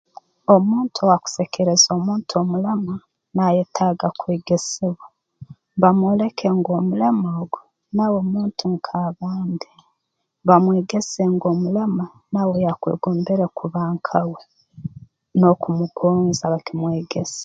Omuntu owaakusekeereza omuntu omulema naayetaaga kwegesebwa bamwoleke ngu omulema ogu nawe muntu nk'abandi bamwegese ngu omulema nawe yaakwegombere kuba nkawe n'okumugonza bakimwegese